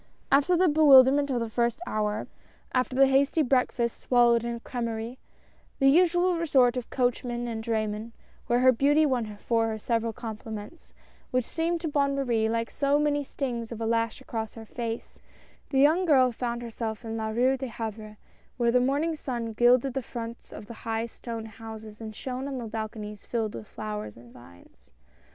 After the bewilderment of the first hour — after the hasty breakfast swallowed in a crSmerie^ — the usual resort of coachmen and draymen — where her beauty won for her several compliments, which seemed to Bonne Marie like so many stings of a lash across her face — the young girl found herself in La Rue de Havre, where the morning sun gilded the fronts of the high stone houses and shone on the balconies filled with flowers and vines.